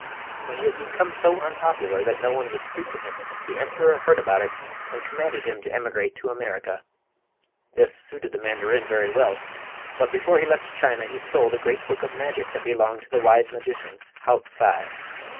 When he had become so unpopular that no one would speak to him, the emperor heard about it and commanded him to emigrate to America. This suited the mandarin very well; but before he left China he stole the Great Book of Magic that belonged to the wise magician Haot sai.